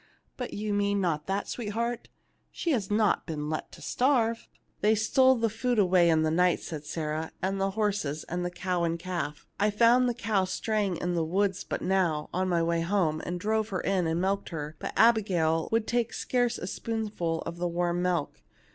But you mean not that, sweetheart; she has not been let to starve ?"" They stole away the food in the night," said Sarah, "and the horses and the cow and calf. I found the cow straying in the woods but now, on my way home, and drove her in and milked her ; but Abigail would take scarce a spoonful of the warm milk.